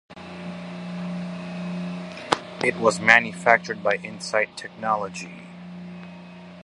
It was manufactured by Insight Technology.